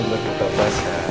selamat berbuka puasa